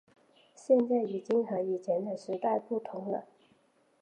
现在已经和以前的时代不同了